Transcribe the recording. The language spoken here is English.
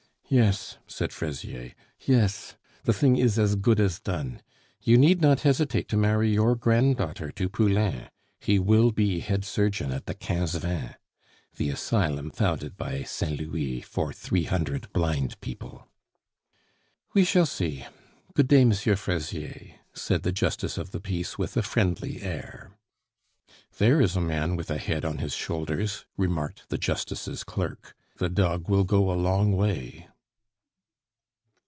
"Yes," said Fraisier, "yes. The thing is as good as done. You need not hesitate to marry your granddaughter to Poulain; he will be head surgeon at the Quinze Vingts." (The Asylum founded by St. Louis for three hundred blind people.) "We shall see. Good day, M. Fraisier," said the justice of the peace with a friendly air. "There is a man with a head on his shoulders," remarked the justice's clerk. "The dog will go a long way."